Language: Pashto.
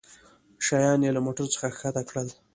شيان يې له موټرڅخه کښته کړل.